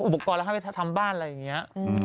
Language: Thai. โบรกรรมได้ให้ไปทำบ้านอะไรอย่างเงี้ย